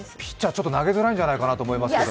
すごく投げづらいんじゃないかなと思いますけど。